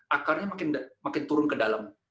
akarnya makin turun ke dalam